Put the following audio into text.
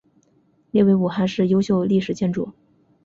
列为武汉市优秀历史建筑。